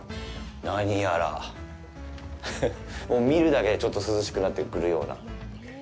何やら見るだけでちょっと涼しくなってくるような。